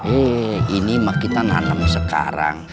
eh ini mah kita nanam sekarang